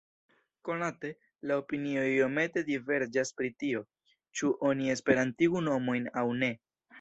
Konate, la opinioj iomete diverĝas pri tio, ĉu oni esperantigu nomojn aŭ ne.